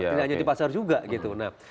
tidak hanya di pasar juga gitu